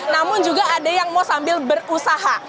namun juga ada yang mau sambil berusaha